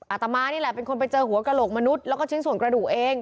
อาตมานี่แหละเป็นคนไปเจอหัวกระโหลกมนุษย์แล้วก็ชิ้นส่วนกระดูกเอง